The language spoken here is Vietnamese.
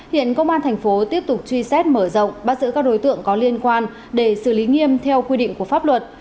hiện công an thành phố tiếp tục truy xét mở rộng bắt giữ các đối tượng có liên quan để xử lý nghiêm theo quy định của pháp luật